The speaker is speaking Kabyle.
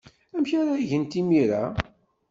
Amek ara gent imir-a?